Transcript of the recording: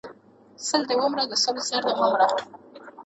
سل دې ومره د سلو سر دې مه مره!